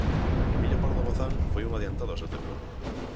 Emilia Pardo Bazán foi unha adiantada ao seu tempo.